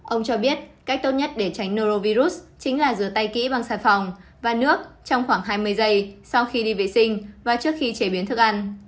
ông cho biết cách tốt nhất để tránh norovirus chính là rửa tay kỹ bằng sạch phòng và nước trong khoảng hai mươi giây sau khi đi vệ sinh và trước khi chế biến thức ăn